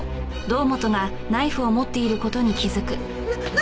何？